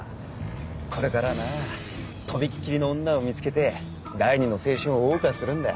これからはなとびっきりの女を見つけて第二の青春を謳歌するんだ。